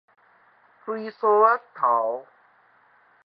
水捘仔頭